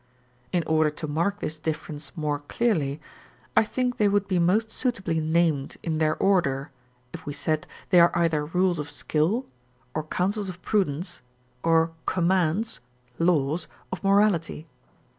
In order to mark this difference more clearly, I think they would be most suitably named in their order if we said they are either rules of skill, or counsels of prudence, or commands (laws) of morality.